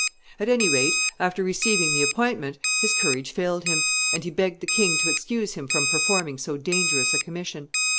] At any rate, after receiving the appointment, his courage failed him, and he begged the king to excuse him from performing so dangerous a commission.